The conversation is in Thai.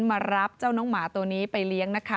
มารับเจ้าน้องหมาตัวนี้ไปเลี้ยงนะคะ